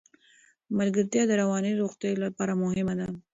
ملګرتیا د رواني روغتیا لپاره مهمه ده.